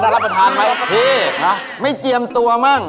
อ๋อน่ารับประทานไหมพี่ไม่เจียมตัวมั้ง